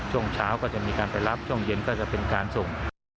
ช่วงเช้าก็จะมีการไปรับช่วงเย็นก็จะเป็นการส่ง